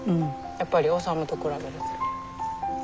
やっぱりオサムと比べると。